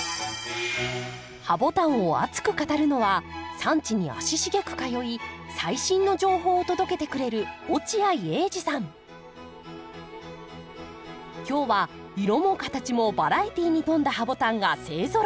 ハボタンを熱く語るのは産地に足しげく通い最新の情報を届けてくれる今日は色も形もバラエティーに富んだハボタンが勢ぞろい。